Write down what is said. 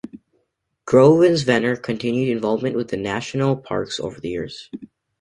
Grosvenor continued involvement with the National Parks over the years.